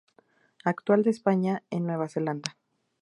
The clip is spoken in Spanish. Actual de España en Nueva Zelanda.